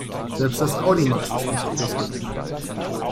Selbst das Audimax ist nicht groß genug.